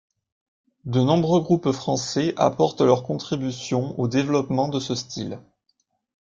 De nombreux groupes français apportent leur contribution au développement de ce style.